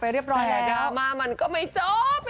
ดราม่ามันก็ไม่จบ